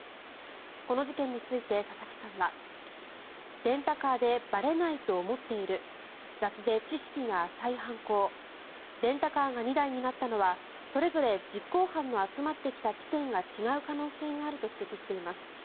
この事件について佐々木さんはレンタカーでばれないと思っている雑で知識が浅い犯行レンタカーが２台になったのはそれぞれ実行犯の集まってきた地点が違う可能性があると指摘しています。